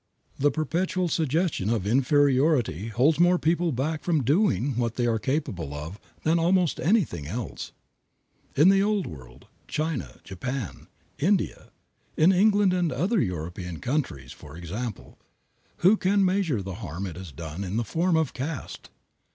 The perpetual suggestion of inferiority holds more people back from doing what they are capable of than almost anything else. In the Old World, China, Japan, India, in England and other European countries, for example, who can measure the harm it has done in the form of "caste."